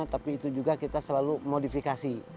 tapi itu juga kita selalu modifikasi